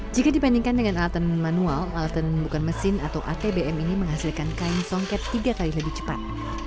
jika dibandingkan dengan alatan manual alatan bukan mesin atau atbm ini menghasilkan kain songket tiga kali lebih cepat